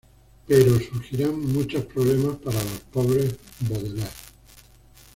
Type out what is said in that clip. Pero surgirán muchos problemas para los pobres Baudelaire.